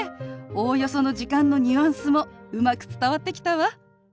おおよその時間のニュアンスもうまく伝わってきたわ。